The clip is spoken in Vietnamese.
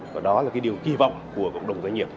và đó là cái điều kỳ vọng của cộng đồng doanh nghiệp